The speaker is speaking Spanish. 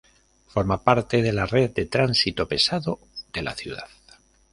Forma parte de la red de Tránsito Pesado de la ciudad.